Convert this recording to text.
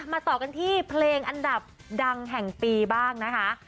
ต่อกันที่เพลงอันดับดังแห่งปีบ้างนะคะ